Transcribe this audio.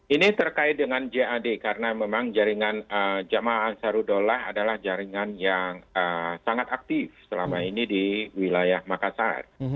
ini terkait dengan jad karena memang jaringan jamaah ansarudholah adalah jaringan yang sangat aktif selama ini di wilayah makassar